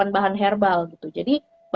bahan herbal gitu jadi